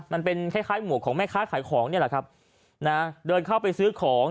มันเป็นคล้ายคล้ายหมวกของแม่ค้าขายของนี่แหละครับนะเดินเข้าไปซื้อของ